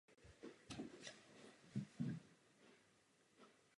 Souhlas s korunovací od Sulejmana získala již předtím.